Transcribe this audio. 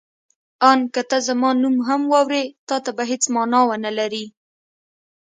آن که ته زما نوم هم واورې تا ته به هېڅ مانا ونه لري.